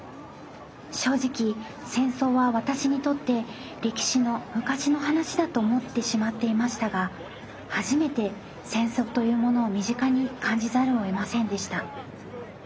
正直戦争は私にとって歴史の昔の話だと思ってしまっていましたが初めて戦争というものを身近に感じざるをえませんでした。